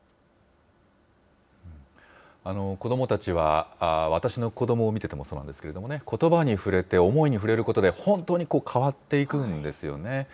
子どもたちは、私の子どもを見ててもそうなんですけれども、ことばに触れて、思いに触れることで、本当に変わっていくんですよね。